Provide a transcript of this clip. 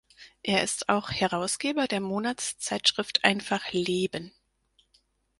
Er ist auch Herausgeber der Monatszeitschrift "einfach leben.